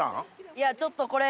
いやちょっとこれ。